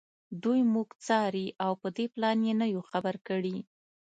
دوی موږ څاري او په دې پلان یې نه یو خبر کړي